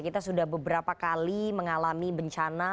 kita sudah beberapa kali mengalami bencana